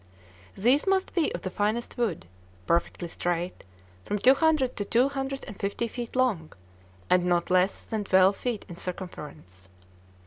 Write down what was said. These must be of the finest wood, perfectly straight, from two hundred to two hundred and fifty feet long, and not less than twelve feet in circumference.